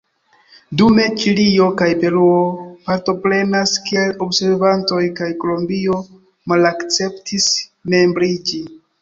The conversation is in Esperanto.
Dume Ĉilio kaj Peruo partoprenas kiel observantoj kaj Kolombio malakceptis membriĝi.